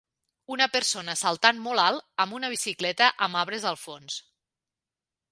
Una persona saltant molt alt amb una bicicleta amb arbres al fons.